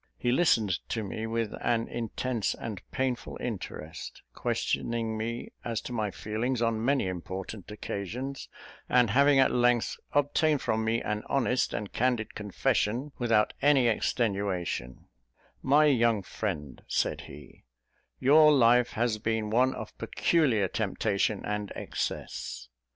He listened to me with an intense and painful interest, questioning me as to my feelings on many important occasions; and having at length obtained from me an honest and candid confession, without any extenuation, "My young friend," said he, "your life has been one of peculiar temptation and excess.